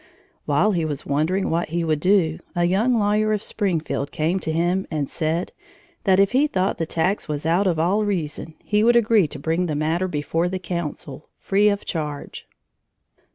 While he was wondering what he would do, a young lawyer of Springfield came to him and said that, as he thought the tax was out of all reason, he would agree to bring the matter before the council, free of charge.